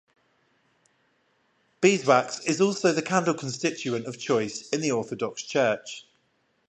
Beeswax is also the candle constituent of choice in the Orthodox Church.